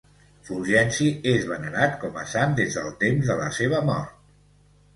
Fulgenci és venerat com a sant des del temps de la seva mort.